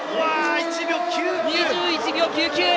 ２１秒９９！